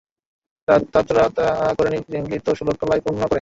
তাতাররা যা করেনি ফিরিঙ্গীরা তা ষোলকলায় পূর্ণ করে।